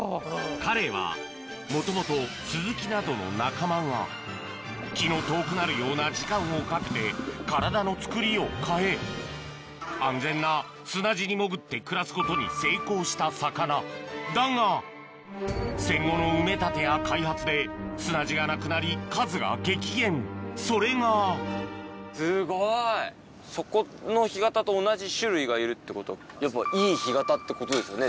カレイはもともとスズキなどの仲間が気の遠くなるような時間をかけて体のつくりを変え安全な砂地に潜って暮らすことに成功した魚だが戦後の埋め立てや開発で砂地がなくなり数が激減それがいるってことはやっぱいい干潟ってことですよね